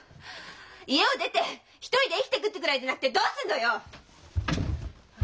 「家を出て一人で生きてく」ってくらいでなくてどうすんのよ！